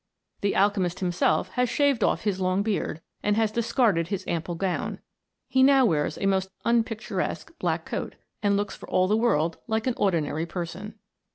The alchemist himself has shaved off his long beard, and has discarded his ample gown ; he now wears a most unpicturesque black coat, and looks for all the world like an ordinary person.